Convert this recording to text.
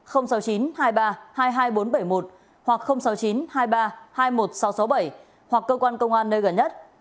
hoặc sáu mươi chín hai mươi ba hai mươi một sáu trăm sáu mươi bảy hoặc cơ quan công an nơi gần nhất